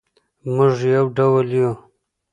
مونږ یو ډول یو